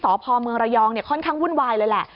สพเมืองระยองค่อนข้างวุ่นวายเลยแหละ